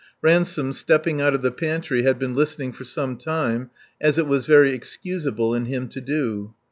Ransome, stepping out of the pantry, had been listening for some time, as it was very excusable in him to do.